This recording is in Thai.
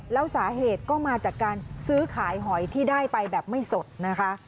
แล้วสาเหตุก็มาจากการซื้อขายหอยที่ได้ไปแบบไม่สดนะคะ